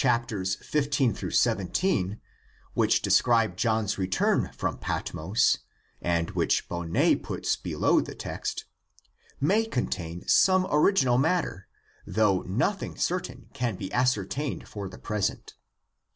15 17, which describe John's return from Patmos, and which Bonnet puts below the text, may contain some original matter, though nothing certain can be ascertained for the present.